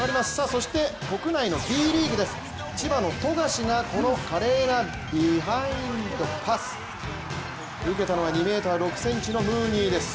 そして、国内のＢリーグです千葉の富樫が華麗なビハインドパス。受けたのは２ｍ６ｃｍのムーニーです。